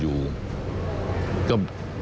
ว่าต้องละบายผู้ชายเวลาเกิดอารมณ์